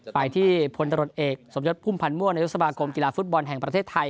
ไปที่พลตรวจเอกสมยศพุ่มพันธ์มั่วนายกสมาคมกีฬาฟุตบอลแห่งประเทศไทย